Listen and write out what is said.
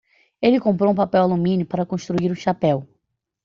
Ele comprou um papel-alumínio para construir um chapéu.